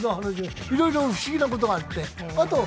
いろいろ不思議なことがあるんで。